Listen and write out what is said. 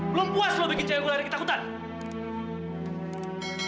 belum puas lo bikin cewe gue lagi takutan